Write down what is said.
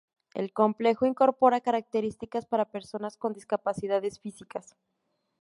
El complejo incorpora características para personas con discapacidades físicas